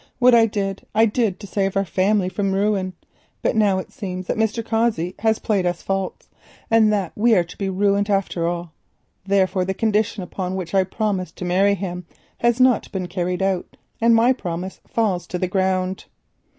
What I did, I did to save our family from ruin. But now it seems that Mr. Cossey has played us false, and that we are to be ruined after all. Therefore, the condition upon which I promised to marry him has not been carried out, and my promise falls to the ground."